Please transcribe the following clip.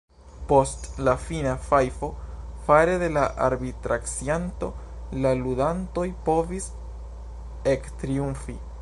Post la fina fajfo fare de la arbitracianto, la ludantoj povis ektriumfi.